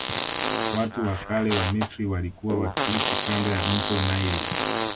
Watu wa kale wa misri walikua wakiishi kando ya mto naili